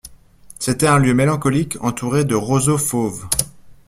C'était un lieu mélancolique entouré de roseaux fauves.